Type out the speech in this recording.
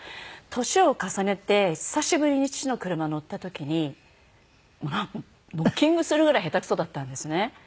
年を重ねて久しぶりに父の車乗った時にノッキングするぐらい下手くそだったんですね。